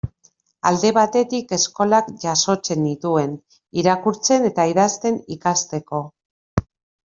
Alde batetik, eskolak jasotzen nituen, irakurtzen eta idazten ikasteko.